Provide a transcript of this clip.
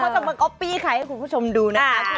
จะมาก๊อปปี้ใครให้คุณผู้ชมดูนะคะ